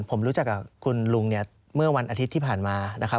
ผมรู้จักกับคุณลุงเนี่ยเมื่อวันอาทิตย์ที่ผ่านมานะครับ